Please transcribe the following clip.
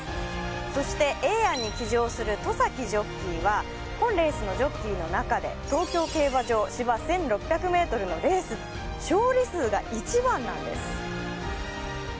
そしてエエヤンに騎乗する戸崎ジョッキーは本来のジョッキーの中で東京芝１６００ｍのレースの中で勝利数が一番なんです。